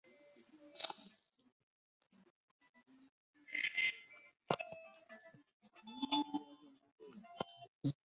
Ab'e Kyaggwe batandise okulambula amasomero agaawadde obwakabaka bbasale